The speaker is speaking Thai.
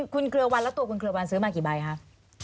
คุณเครือวันแล้วตัวคุณเครือวันซื้อมากี่ใบคะ